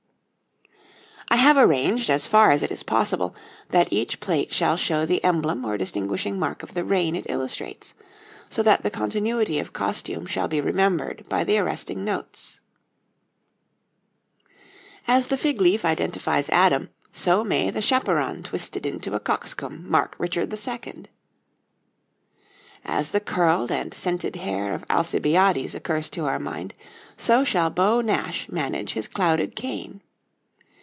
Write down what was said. I have arranged, as far as it is possible, that each plate shall show the emblem or distinguishing mark of the reign it illustrates, so that the continuity of costume shall be remembered by the arresting notes. As the fig leaf identifies Adam, so may the chaperon twisted into a cockscomb mark Richard II. As the curled and scented hair of Alcibiades occurs to our mind, so shall Beau Nash manage his clouded cane.